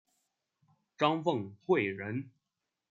张凤翙人。